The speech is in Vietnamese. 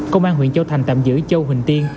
công an huyện châu thành tạm giữ châu huỳnh tiên